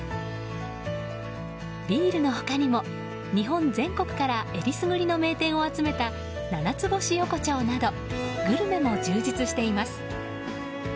ビールの他にも、日本全国からえりすぐりの名店を集めた七つ星横丁などグルメも充実しています。